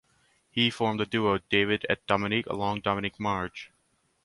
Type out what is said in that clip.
He formed the duo David et Dominique alongside Dominique Marge.